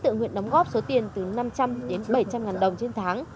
tự nguyện đóng góp số tiền từ năm trăm linh đến bảy trăm linh ngàn đồng trên tháng